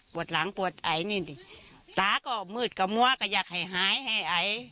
หลังปวดไอนี่ดิตาก็มืดก็มัวก็อยากให้หายให้ไอ